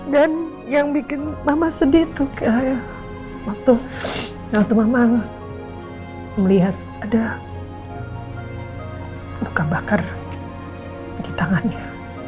dan yang bikin mama sedih tuh waktu mama melihat ada luka bakar di tangannya